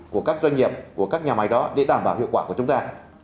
của các doanh nghiệp của các nhà máy đó để đảm bảo hiệu quả của chúng ta